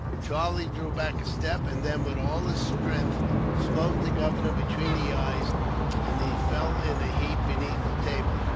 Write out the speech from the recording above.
Charlie drew back a step; and then, with all his strength, smote the governor between the eyes, and he fell in a heap beneath the table.